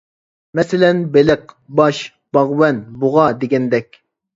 مەسىلەن، «بېلىق» ، «باش» ، «باغۋەن» ، «بۇغا» . دېگەندەك.